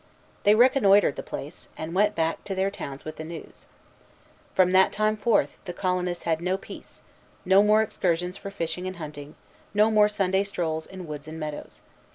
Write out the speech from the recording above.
They reconnoitred the place, and went back to their towns with the news. From that time forth the colonists had no peace; no more excursions for fishing and hunting; no more Sunday strolls in woods and meadows.